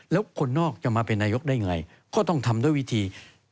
แล้วคนนอกจะมาเป็นนายกได้ไงก็ต้องทำด้วยวิธี